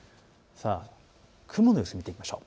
雲の様子を見ていきましょう。